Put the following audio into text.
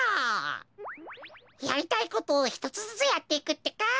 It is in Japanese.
やりたいことをひとつずつやっていくってか！